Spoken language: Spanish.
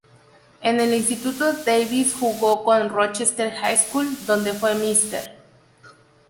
En el instituto, Davis jugó con Rochester High School, donde fue Mr.